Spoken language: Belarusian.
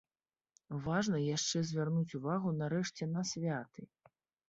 Важна яшчэ звярнуць увагу нарэшце на святы.